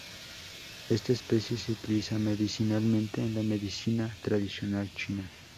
Esta especie se utiliza medicinalmente en la medicina tradicional china.